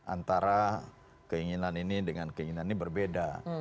antara keinginan ini dengan keinginan ini berbeda